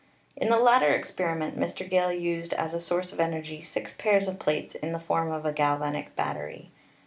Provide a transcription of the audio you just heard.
In the latter experiment Mr. Gale used as a source of energy six pairs of plates in the form of a galvanic battery.